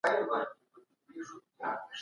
بې مطالعې مشران تل په احساساتو پرېکړې کوي.